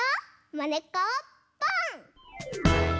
「まねっこポン！」。